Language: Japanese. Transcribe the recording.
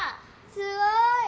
すごい！